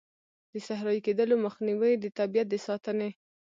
د صحرایې کیدلو مخنیوی، د طبیعیت د ساتنې.